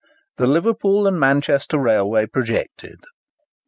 THE LIVERPOOL AND MANCHESTER RAILWAY PROJECTED.